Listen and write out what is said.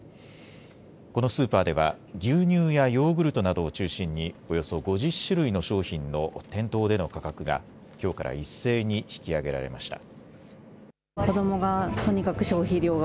このスーパーでは牛乳やヨーグルトなどを中心におよそ５０種類の商品の店頭での価格がきょうから一斉に引き上げられました。